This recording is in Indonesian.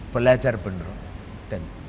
belajar benar dan